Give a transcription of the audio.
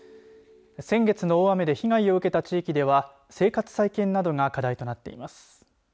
先月の大雨で被害を受けた地域では生活再建などが課題となっています。